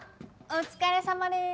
お疲れさまです。